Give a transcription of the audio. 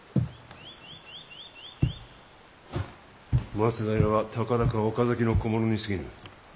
松平はたかだか岡崎の小者にすぎぬ。